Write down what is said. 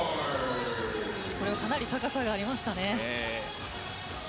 かなり高さがありましたね。